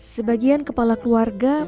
sebagian kepala keluarga